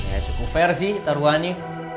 ya cukup fair sih taruhannya